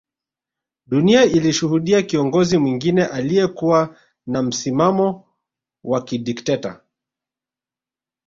Dunia ilishuhudia kiongozi mwingine aliyekuwa na msimamo wa kidekteta